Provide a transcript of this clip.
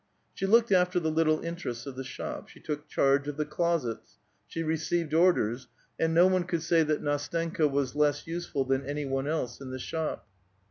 She looked after the little inter ests of the shop ; she took charge of the closets ; she received orders ; and no one could say that Ndstenka was less useful that any one else in the shop.